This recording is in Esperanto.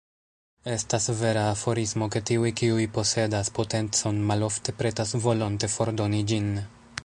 Estas vera aforismo, ke “tiuj, kiuj posedas potencon, malofte pretas volonte fordoni ĝin.